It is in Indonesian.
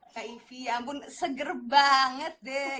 kak ivi ampun seger banget deh